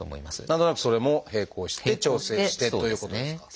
何となくそれも並行して調整してということですか？